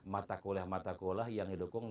mata kuliah mataul yang didukung